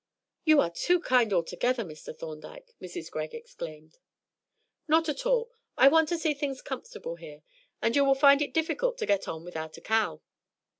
"You are too kind altogether, Mr. Thorndyke!" Mrs. Greg exclaimed. "Not at all. I want to see things comfortable here, and you will find it difficult to get on without a cow.